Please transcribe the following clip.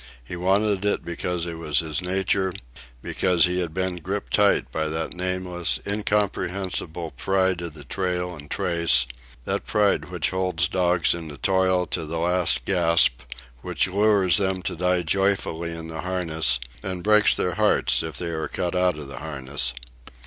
He wanted it because it was his nature, because he had been gripped tight by that nameless, incomprehensible pride of the trail and trace—that pride which holds dogs in the toil to the last gasp, which lures them to die joyfully in the harness, and breaks their hearts if they are cut out of the harness.